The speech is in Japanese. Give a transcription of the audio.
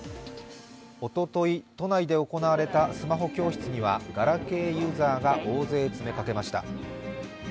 おととい、都内で行われたスマホ教室にはガラケーユーザーが大勢詰めかけました。